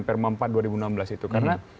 perma empat dua ribu enam belas itu karena